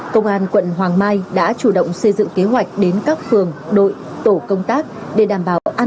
công an quận hoàng mai đã chủ động xây dựng kế hoạch đến các phường đội tổ công tác để đảm bảo an toàn